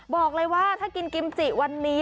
บอกว่าถ้ากินกิมจิวันนี้